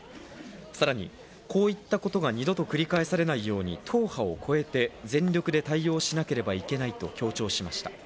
さらにこういったことが二度と繰り返されないように、党派を越えて全力で対応しなければいけないと強調しました。